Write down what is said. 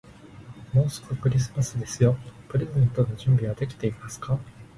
もうすぐクリスマスですよ。プレゼントの準備はできていますか。